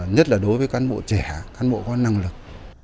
nhất là đối với cán bộ trẻ cán bộ có năng lực